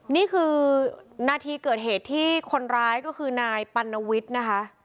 นี่คือนาทีเกิดเหตุที่คนร้ายก็คือนายปัณวิทย์นะคะ